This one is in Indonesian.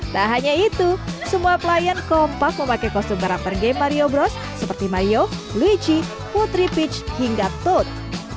tak hanya itu semua pelayan kompak memakai kostum garam per game mario bros seperti mario luigi putri peach hingga toad